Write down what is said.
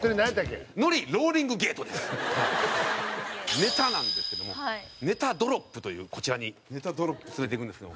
ネタなんですけどもネタドロップというこちらに続いていくんですけど。